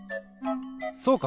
そうか！